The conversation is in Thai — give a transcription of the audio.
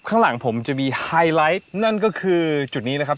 ข้างหลังผมจะมีไฮไลท์นั่นก็คือจุดนี้นะครับ